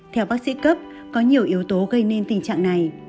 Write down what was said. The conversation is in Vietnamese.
theo bác sĩ cấp có nhiều yếu tố gây nên tình trạng như thế này